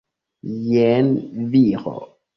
Jen viro!